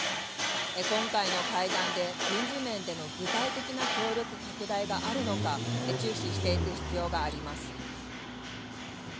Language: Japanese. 今回の会談で軍事面での具体的な協力拡大があるのか、注視していく必要があります。